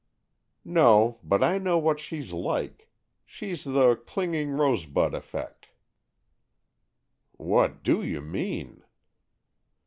"No, but I know what she's like. She's the 'clinging rosebud' effect." "What do you mean?"